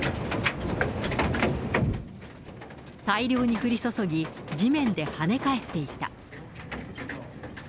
大量に降り注ぎ、地面で跳ね返っていた。